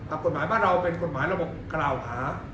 กฎหมายบ้านเราเป็นกฎหมายระบบกล่าวหา